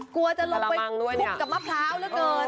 กลัวจะลงไปคลุกกับมะพร้าวเหลือเกิน